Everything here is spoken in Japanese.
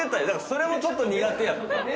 それもちょっと苦手やってん。